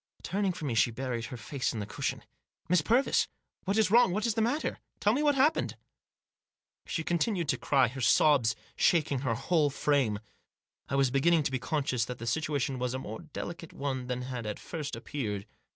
Turning from me, she buried her face in the cushion. "Miss Purvis! What is wrong? What is the matter ? Tell me what has happened." She continued to cry, her sobs shaking her whole frame. I was beginning to be conscious that the situation was a more delicate one than had at first appeared.